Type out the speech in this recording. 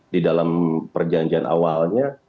di dalam perjanjian awalnya